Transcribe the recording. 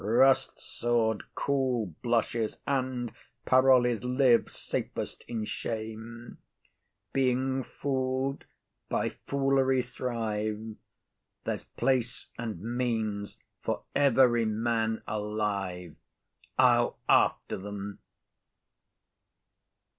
Rust, sword; cool, blushes; and, Parolles live Safest in shame; being fool'd, by foolery thrive. There's place and means for every man alive. I'll after them.